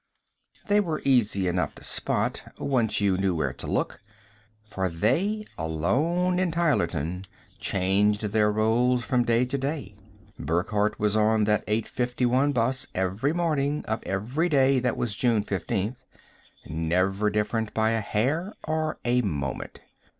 They were easy enough to spot, once you knew where to look for they, alone in Tylerton, changed their roles from day to day. Burckhardt was on that 8:51 bus, every morning of every day that was June 15th, never different by a hair or a moment.